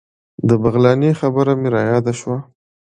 د بغلاني خبره مې رایاده شوه.